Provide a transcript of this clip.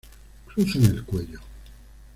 Cruzan el cuello.